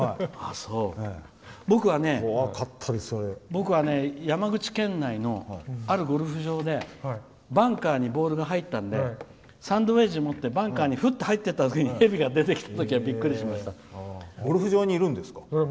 僕は山口県内のあるゴルフ場でバンカーにボールが入ったんでサンドウェッジ持ってバンカーに入っていったときに蛇が出てきたときはゴルフ場にいるんですか？